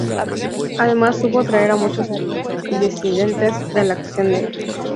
Además, supo atraer a muchos disidentes de la acción del Gobierno hacia sus filas.